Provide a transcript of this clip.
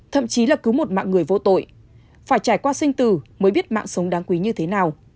thậm chí là cứ một mạng người vô tội phải trải qua sinh tử mới biết mạng sống đáng quý như thế nào